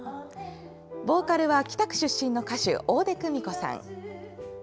ボーカルは北区出身の歌手、大出久美子さん。